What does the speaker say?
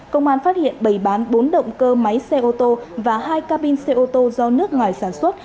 công an phát hiện bày bán bốn động cơ máy xe ô tô và hai cabin xe ô tô do nước ngoài sản xuất